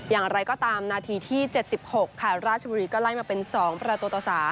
อย่างไรก็ตามนาทีที่๗๖ค่ะราชบุรีก็ไล่มาเป็น๒ประตูต่อ๓